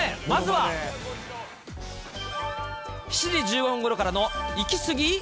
まずは７時１５分ごろからのいきすぎ！？